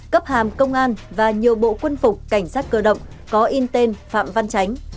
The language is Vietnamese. cấp hàm công an và nhiều bộ quân phục cảnh sát cơ động có in tên phạm văn chánh